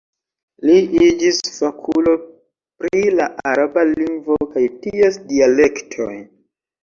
Li iĝis fakulo pri la araba lingvo kaj ties dialektoj.